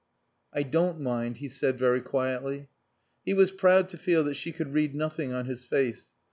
"I don't mind," he said very quietly. He was proud to feel that she could read nothing on his face.